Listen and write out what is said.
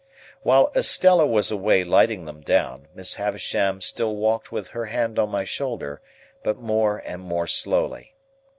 While Estella was away lighting them down, Miss Havisham still walked with her hand on my shoulder, but more and more slowly.